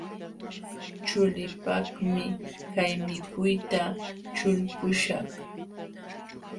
Chuliipaqmi kay mikuyta ćhulpuśhaq.